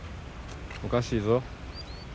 おかしいぞ。